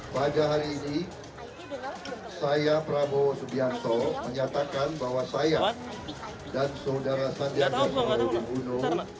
pada hari ini saya prabowo subianto menyatakan bahwa saya dan saudara sandiaga